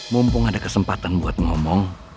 mumpung ada kesempatan buat ngomong